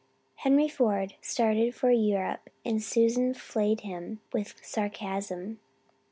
Henry Ford started for Europe and Susan flayed him with sarcasm.